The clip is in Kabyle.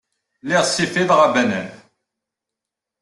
Lliɣ ssifiḍeɣ abanan.